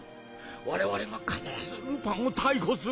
我々が必ずルパンを逮捕する。